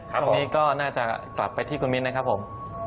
ตรงนี้ก็น่าจะกลับไปที่คุณมิ้นนะครับผม